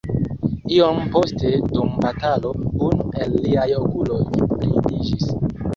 Iom poste dum batalo unu el liaj okuloj blindiĝis.